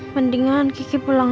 mendingan kiki pulang aja